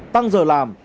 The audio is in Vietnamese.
tăng giờ làm